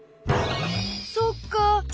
そっか。